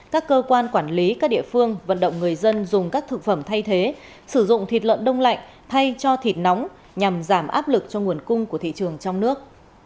các cơ quan quản lý các địa phương vận động người dân dùng các thực phẩm thay thế sử dụng thịt lợn đông lạnh thay cho thịt nóng nhằm giảm áp lực cho nguồn cung của thị trường trong nước